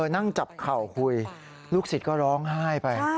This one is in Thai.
นั่งจับเข่าคุยลูกศิษย์ก็ร้องไห้ไป